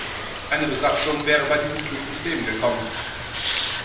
Eine Besatzung wäre bei diesem Flug ums Leben gekommen.